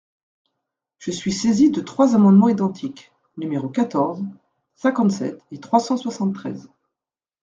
Je suis saisie de trois amendements identiques, numéros quatorze, cinquante-sept et trois cent soixante-treize.